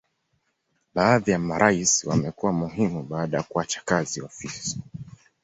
Baadhi ya marais wamekuwa muhimu baada ya kuacha kazi ofisi.